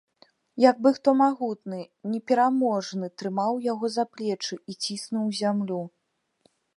Як бы хто магутны, непераможны трымаў яго за плечы і ціснуў у зямлю.